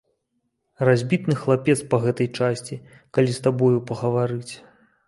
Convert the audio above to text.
Разбітны хлапец па гэтай часці, калі з табою пагаварыць.